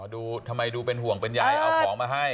ดูทำไมดูเป็นห่วงเป็นใยเอาของมาให้